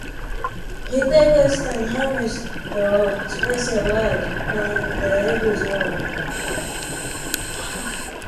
He takes them home to a special lodge called the eagles' lodge.